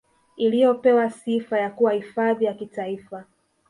Iliyopewa sifa ya kuwa hifadhi ya Kitaifa